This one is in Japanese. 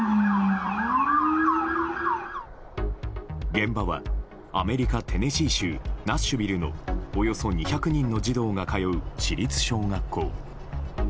現場はアメリカ・テネシー州ナッシュビルのおよそ２００人の児童が通う私立小学校。